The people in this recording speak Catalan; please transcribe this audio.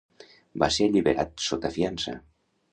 Va ser alliberat sota fiança.